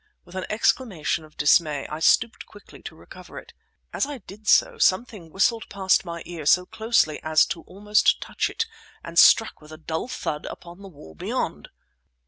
With an exclamation of dismay, I stooped quickly to recover it. As I did so something whistled past my ear, so closely as almost to touch it—and struck with a dull thud upon the wall beyond!